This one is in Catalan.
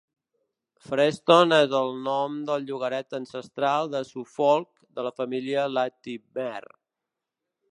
Freston és el nom del llogaret ancestral a Suffolk de la família Latymer.